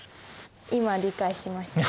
今理解しました。